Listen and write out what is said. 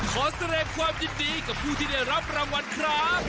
ขอแสดงความยินดีกับผู้ที่ได้รับรางวัลครับ